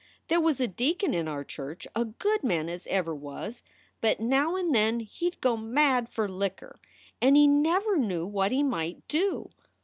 "There was a deacon in our church, a good man as ever was, but now and then he d go mad for liquor, and he never knew what he might do.